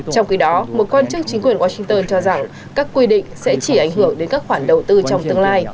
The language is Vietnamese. trong khi đó một quan chức chính quyền washington cho rằng các quy định sẽ chỉ ảnh hưởng đến các khoản đầu tư trong tương lai